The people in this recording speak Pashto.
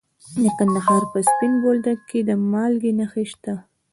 د کندهار په سپین بولدک کې د مالګې نښې شته.